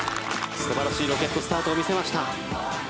素晴らしいロケットスタートを見せました。